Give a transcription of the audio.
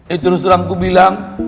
eh terus terangku bilang